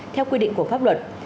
theo quy định của pháp luật